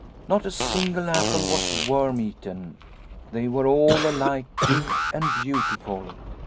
Not a single apple was worm eaten, they were all alike big and beautiful.